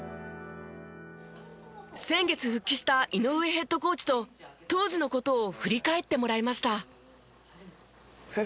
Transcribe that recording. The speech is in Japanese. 先月復帰した井上ヘッドコーチと当時の事を振り返ってもらいました。